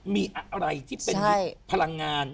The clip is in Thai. มีอะไรที่เป็นพลังงาน